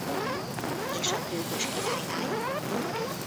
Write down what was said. És a gőgös királylány?